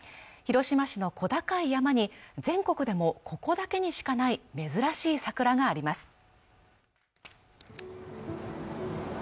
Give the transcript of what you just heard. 広島市の小高い山に全国でもここだけにしかない珍しい桜があります